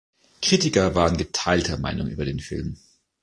Kritiker waren geteilter Meinung über den Film.